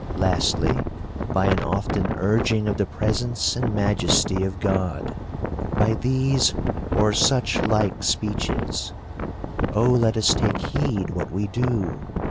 — Lastly, by an often urging of the presence and majesty of God ; by these, or such like speeches —" Oh, let us take heed what we do